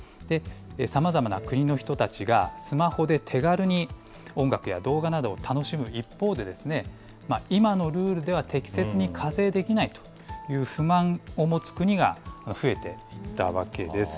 さまざまな国の人たちがスマホで手軽に音楽や動画などを楽しむ一方で、今のルールでは適切に課税できないという不満を持つ国が増えていたわけです。